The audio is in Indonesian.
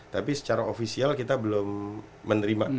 tapi secara ofisial kita belum menerima